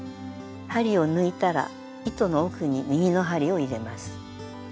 針を抜いたら糸の奥に右の針を入れます。